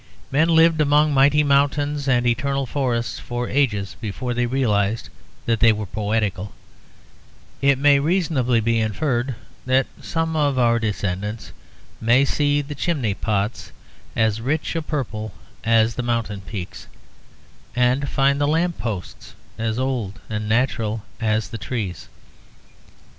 Men lived among mighty mountains and eternal forests for ages before they realized that they were poetical; it may reasonably be inferred that some of our descendants may see the chimney pots as rich a purple as the mountain peaks, and find the lamp posts as old and natural as the trees.